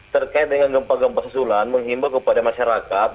terkait dengan gempa gempa susulan menghimbau kepada masyarakat